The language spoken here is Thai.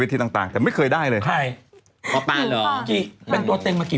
ก็คิดว่าจะหยุดแล้วค่ะ